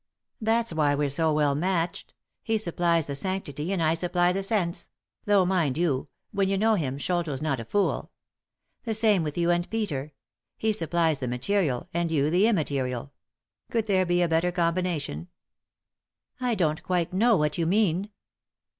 That's why we're so well matched ; he sup plies the sanctity and I supply the sense — though, mind you, when you know him Sholto's not a fooL The same with you and Peter; he supplies the material and you the immaterial. Could there be a better combination ?" "I don't quite know what you mean."